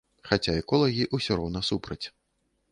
Хаця эколагі ўсё роўна супраць.